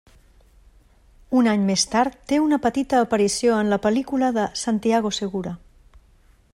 Un any més tard té una petita aparició en la pel·lícula de Santiago Segura.